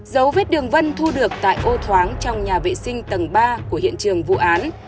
dấu vết đường vân thu được tại ô thoáng trong nhà vệ sinh tầng ba của hiện trường vụ án